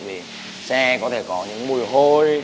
vì xe có thể có những mùi hôi